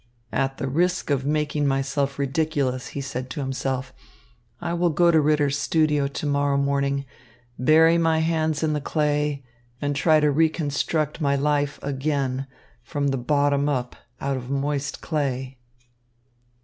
"At the risk of making myself ridiculous," he said to himself, "I will go to Ritter's studio to morrow morning, bury my hands in the clay, and try to reconstruct my life again from the bottom up out of moist clay."